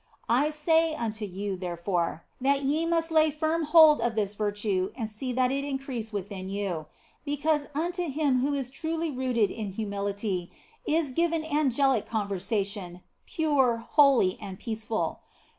I say unto you, therefore, that ye must lay firm hold of this virtue and see that it increase within you ; be cause unto him who is truly rooted in humility is given H 1 1 4 THE BLESSED ANGELA angelic conversation, pure, holy, and peaceful.